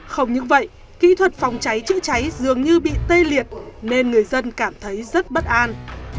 không những vậy kỹ thuật phòng cháy chữa cháy dường như bị tê liệt nên người dân cảm thấy rất bất an